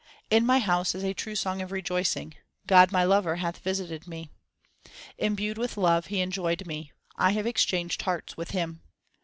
In my house is a true song of rejoicing ; God my lover hath visited me. Imbued with love He enjoyed me ; I have exchanged hearts with Him.